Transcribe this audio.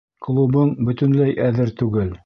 Клубың бөтөнләй әҙер түгел!